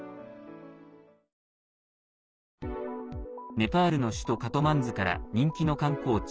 ネパールの首都カトマンズから人気の観光地